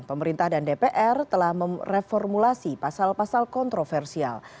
pemerintah dan dpr telah reformulasi pasal pasal kontroversial